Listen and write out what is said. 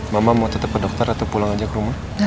mama mau tetap ke dokter atau pulang aja ke rumah